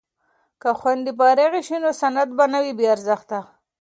که خویندې فارغې شي نو سند به نه وي بې ارزښته.